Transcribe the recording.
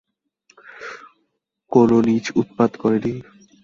কোনো নীচ উৎপাত করে নি?